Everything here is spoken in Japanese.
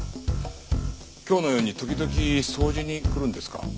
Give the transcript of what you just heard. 今日のように時々掃除に来るんですか？